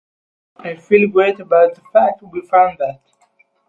I feel great about the fact we found that.